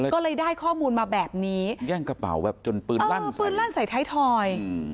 ก็เลยได้ข้อมูลมาแบบนี้แย่งกระเป๋าแบบจนปืนลั่นปืนลั่นใส่ท้ายทอย